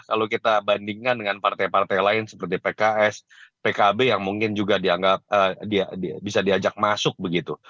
kalau kita bandingkan dengan partai partai lain seperti pks pkb yang mungkin juga dianggap bisa diajak masuk begitu